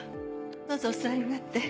どうぞお座りになって。